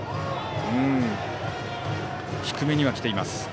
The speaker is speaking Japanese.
低めには来ています。